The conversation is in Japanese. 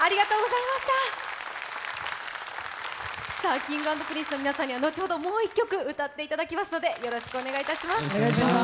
Ｋｉｎｇ＆Ｐｒｉｎｃｅの皆さんには後ほど、もう１曲歌っていただきますのでよろしくお願いいたします。